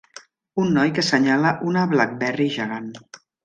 Un noi que senyala una Blackberry gegant.